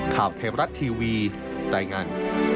ข่าวเทพรัฐทีวีรายงาน